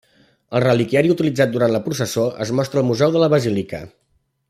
El reliquiari utilitzat durant la processó es mostra al Museu de la Basílica.